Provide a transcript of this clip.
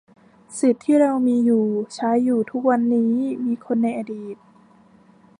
สิทธิที่เรามีอยู่ ใช้อยู่ ทุกวันนี้ มีคนในอดีต